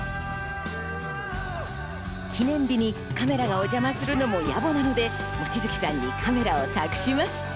記念日にカメラがお邪魔するのも野暮なので、望月さんにカメラを託します。